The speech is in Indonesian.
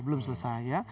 belum selesai ya